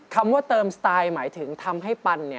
คำว่าเติมสไตล์หมายถึงทำให้ปัน